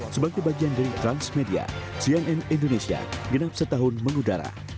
sebagai bagian dari transmedia cnn indonesia genap setahun mengudara